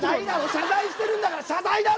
謝罪してるんだから謝罪だろ！